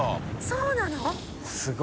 そうなの？